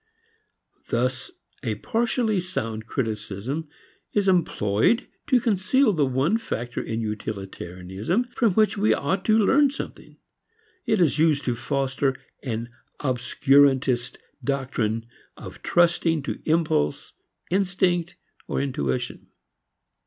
Thus a partially sound criticism is employed to conceal the one factor in utilitarianism from which we ought to learn something; is used to foster an obscurantist doctrine of trusting to impulse, instinct or intuition.